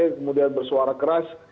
kemudian bersuara keras